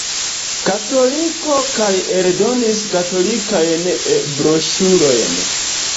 Katoliko kaj eldonis katolikajn E-broŝurojn.